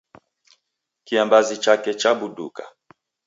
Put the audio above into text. Kiambazi chake chabuduka.